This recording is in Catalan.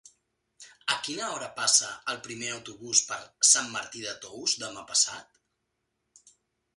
A quina hora passa el primer autobús per Sant Martí de Tous demà passat?